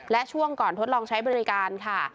และช่วงก่อนทดลองใช้บริการค่ะ